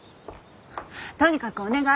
とにかくお願い。